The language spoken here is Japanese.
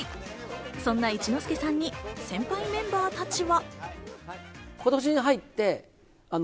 そんな一之輔さんに先輩メンバーたちは。